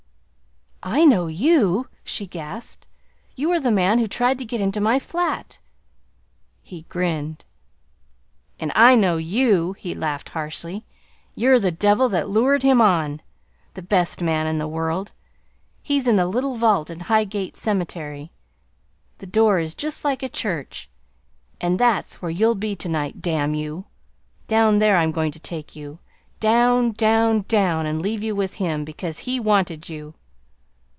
"I know you," she gasped. "You are the man who tried to get into my flat!" He grinned. "And I know you!" he laughed harshly. "You're the devil that lured him on! The best man in the world ... he's in the little vault in Highgate Cemetery. The door is just like a church. And that's where you'll be to night, damn you! Down there I'm going to take you. Down, down, down, and leave you with him, because he wanted you!"